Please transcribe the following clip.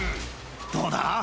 どうだ？